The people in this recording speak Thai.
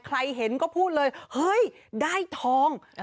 ใครเห็นก็พูดเลยเฮ้ยได้ทอง